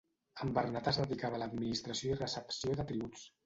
En Bernat es dedicava a l'administració i recepció de tributs.